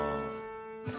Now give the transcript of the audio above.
何？